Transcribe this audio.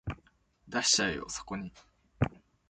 出しちゃえよそこに